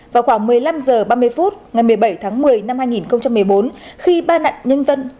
vào khoảng một mươi năm h ba mươi phút ngày một mươi bảy tháng một mươi năm hai nghìn một mươi bốn khi ba nạn nhân vân